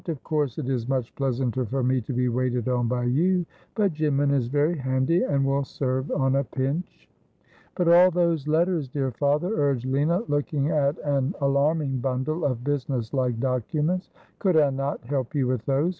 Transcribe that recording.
Of course it is much pleasanter for me to be waited on by you ; but Jin man is very handy, and will serve on a pinch.' 'Love is not Old, as whan that it is Neiu! 309 ' But all those letters, dear father,' urged Lina, looking at an alarming bundle of businesslike documents. ' Could I not help you with those